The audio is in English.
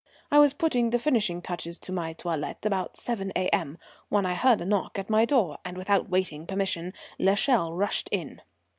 I was putting the finishing touches to my toilette about 7 A.M. when I heard a knock at my door, and without waiting permission l'Echelle rushed in.